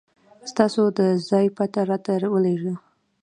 ستاسو د ځای پته راته ولېږه